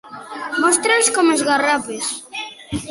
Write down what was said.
Mostra'ls com esgarrapes.